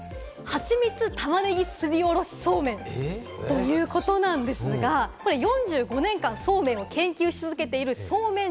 はちみつ玉ねぎすりおろしそうめんということなんですが、これ４５年間そうめんを研究し続けているソーメン